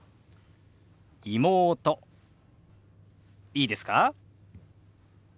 いいですか？